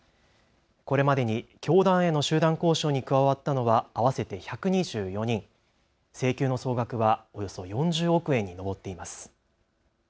これまでに教団への集団交渉に加わったのは合わせて１２４人、請求の総額はおよそ４０億円に上っています。